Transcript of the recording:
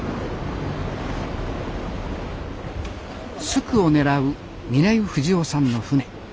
スクを狙う嶺井藤夫さんの船。